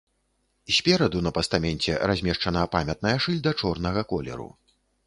Спераду на пастаменце размешчана памятная шыльда чорнага колеру.